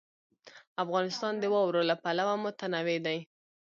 افغانستان د واوره له پلوه متنوع دی.